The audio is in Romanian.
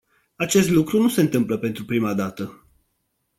Acest lucru nu se întâmplă pentru prima dată.